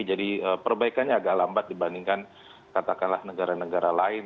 jadi perbaikannya agak lambat dibandingkan katakanlah negara negara lain